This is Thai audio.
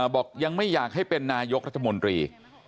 บอกยังไม่อยากให้เป็นนายกรัฐมนตรี